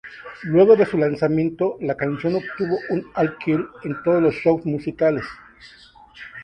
Luego de su lanzamiento, la canción obtuvo un all-kill en todos los shows musicales.